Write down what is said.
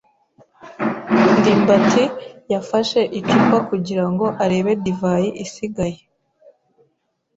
ndimbati yafashe icupa kugira ngo arebe divayi isigaye.